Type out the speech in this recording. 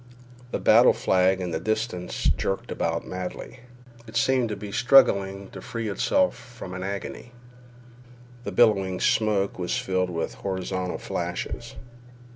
The battle flag in the distance jerked about madly. It seemed to be struggling to free itself from an agony. The billowing smoke was filled with horizontal flashes.